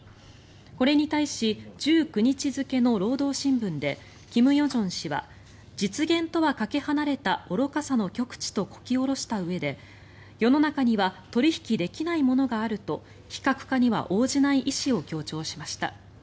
これに対し１９日付の労働新聞で金与正氏は実現とはかけ離れた愚かさの極致とこき下ろしたうえで世の中には取引できないものがあると非核化には応じない意思を強調しました。